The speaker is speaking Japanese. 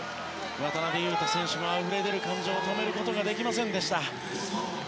渡邊雄太選手もあふれ出る感情を止めることができませんでした。